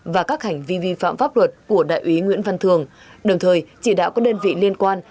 và các hành vi vi phạm pháp luật của đại úy nguyễn văn thường đồng thời chỉ đạo các đơn vị liên quan